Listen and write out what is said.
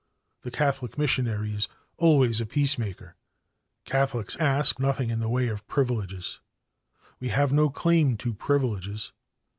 The Catholic missionary is always a peacemaker. Catholics ask nothing in the way of 'privileges.' We have no claim to privileges.